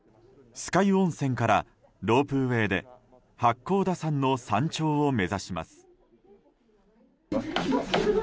酸ヶ湯温泉からロープウェーで八甲田山の山頂を目指します。